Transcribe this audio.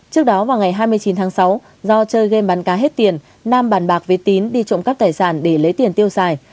trước đó vào ngày hai mươi chín tháng sáu do chơi game bắn cá hết tiền nam bàn bạc với tín đi trộm cắp tài sản để lấy tiền tiêu xài